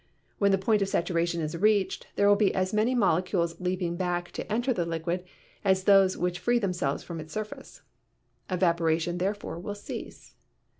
When the point of saturation is reached there will be as many molecules leaping back to enter the liquid as those which free them selves from its surface. Evaporation therefore will cease.